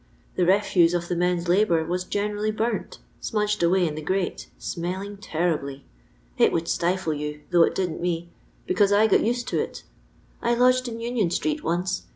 The refbae of the men's labour waa gene rally hnmty imudged away in the grate, amelling teiTibly. It wonid stifle you, thouih it didn't me, becaoae I got naed to it. I lodged m Union street once.